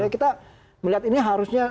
kita melihat ini harusnya